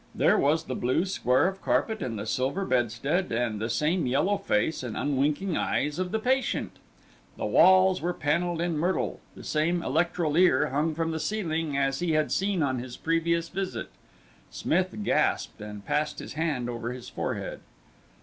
There was the blue square of carpet and the silver bedstead, and the same yellow face and unwinking eyes of the patient. The walls were panelled in myrtle, the same electrolier hung from the ceiling as he had seen on his previous visit. Smith gasped, and passed his hand over his forehead.